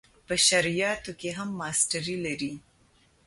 په شرعیاتو کې هم ماسټري لري.